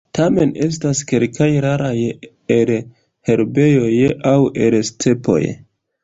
Tamen estas kelkaj raraj el herbejoj aŭ el stepoj.